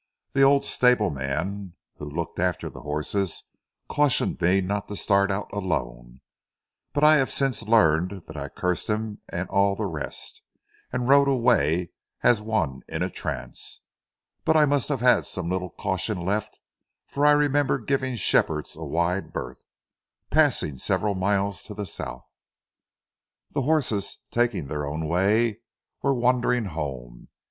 The old stableman, who looked after the horses, cautioned me not to start out alone; but I have since learned that I cursed him and all the rest, and rode away as one in a trance. But I must have had some little caution left, for I remember giving Shepherd's a wide berth, passing several miles to the south. The horses, taking their own way, were wandering home.